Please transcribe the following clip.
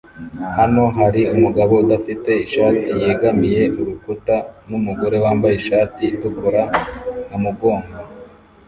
Hano hari umugabo udafite ishati yegamiye urukuta numugore wambaye ishati itukura amugongo